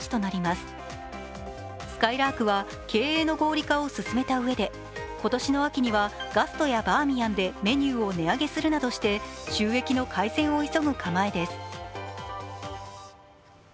すかいらーくは経営の合理化を進めたうえで今年の秋にはガストやバーミヤンでメニューを値上げするなどして収益の改善を急ぐ構えです。